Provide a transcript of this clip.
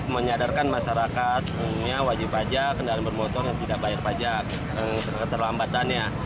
menyadarkan masyarakat wajib pajak kendaraan bermotor dan tidak bayar pajak terlambatannya